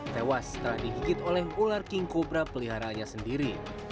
tewas setelah digigit oleh ular king cobra peliharaannya sendiri